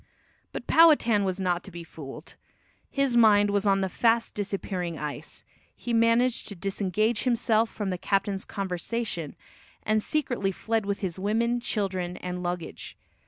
But Powhatan was not to be fooled. His mind was on the fast disappearing ice. He managed to disengage himself from the captain's conversation, and secretly fled with his women, children and luggage.